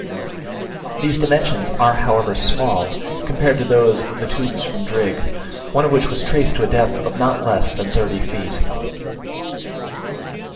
These dimensions are however small, compared to those of the tubes from Drigg, one of which was traced to a depth of not less than thirty feet.